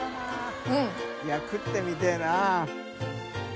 い食ってみてぇな。